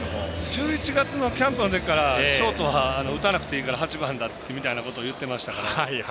１１月のキャンプの時からショートは打たなくていいから８番だみたいなこと言ってましたから。